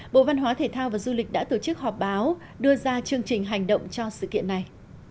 bộ văn hóa thể thao và du lịch đã tổ chức họp báo đưa ra chương trình hành động cho sự kiện này